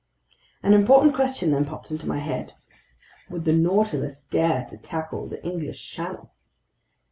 An important question then popped into my head. Would the Nautilus dare to tackle the English Channel?